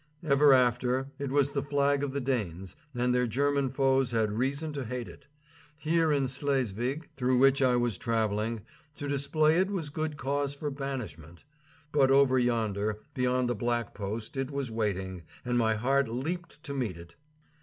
Ever after, it was the flag of the Danes, and their German foes had reason to hate it. Here in Slesvig, through which I was travelling, to display it was good cause for banishment. But over yonder, behind the black post, it was waiting, and my heart leaped to meet it.